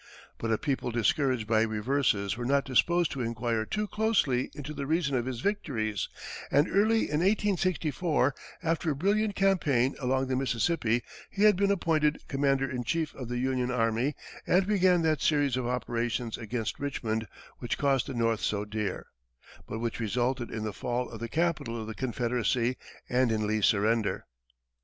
But a people discouraged by reverses were not disposed to inquire too closely into the reason of his victories, and early in 1864, after a brilliant campaign along the Mississippi, he had been appointed commander in chief of the Union army, and began that series of operations against Richmond which cost the North so dear, but which resulted in the fall of the capital of the Confederacy and in Lee's surrender.